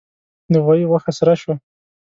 د غوايي غوښه سره شوه.